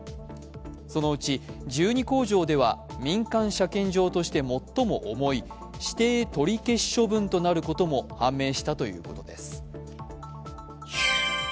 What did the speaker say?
そのうち１２工場では民間車検場として最も重い指定取り消し処分となることも判明したということです。